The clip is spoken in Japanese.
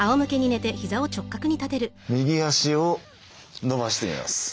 右足を伸ばしてみます。